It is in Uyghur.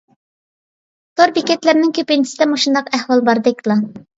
تور بېكەتلەرنىڭ كۆپىنچىسىدە مۇشۇنداق ئەھۋال باردەكلا.